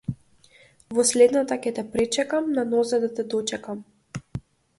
Во следната ќе те пречекам, на нозе да те дочекам.